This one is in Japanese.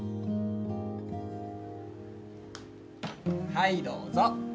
はいどうぞ！